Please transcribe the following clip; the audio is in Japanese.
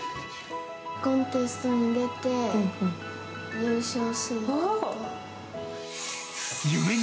コンテストに出て、優勝すること。